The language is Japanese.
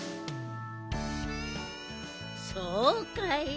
そうかい。